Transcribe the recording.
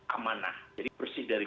amanah jadi bersih dari